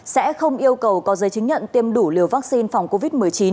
sẽ không yêu cầu có giấy chứng nhận tiêm đủ liều vaccine phòng covid một mươi chín